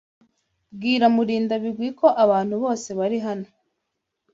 Bwira Murindabigwi ko abantu bose bari hano.